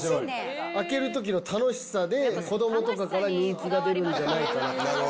開けるときの楽しさで、子どもとかから人気が出るんじゃないかなと。